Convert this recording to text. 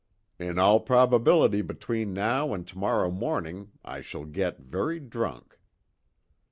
In all probability between now and tomorrow morning I shall get very drunk."